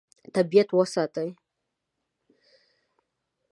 طبیعت وساتئ.